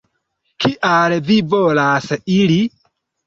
Kial vi volas iri?